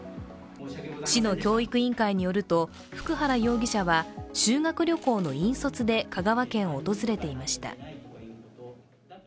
市の教育委員会によると福原容疑者は修学旅行の引率で香川県を訪れていました。